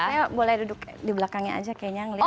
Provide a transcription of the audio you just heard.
saya boleh duduk di belakangnya aja kayaknya ngeliat